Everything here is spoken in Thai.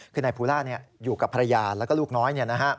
คือนายภูล่าอยู่กับภรรยาแล้วก็ลูกน้อย